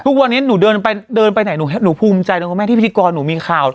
ทุกวันนี้หนูเดินไปเดินไปไหนหนูภูมิใจนะคุณแม่ที่พิธีกรหนูมีข่าว